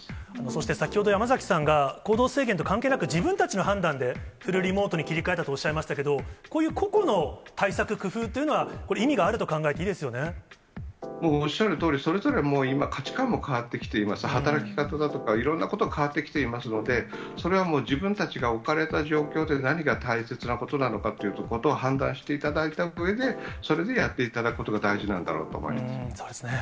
そして先ほど山崎さんが、行動制限と関係なく、自分たちの判断でフルリモートに切り替えたとおっしゃいましたけど、こういう個々の対策、工夫っていうのはこれ、意味があると考おっしゃるとおり、それぞれ今、価値観も変わってきています、働き方だとか、いろんなこと、変わってきていますので、それはもう自分たちが置かれた状況で何が大切なことなのかということを判断していただいたうえで、それでやっていただくことが大事そうですね。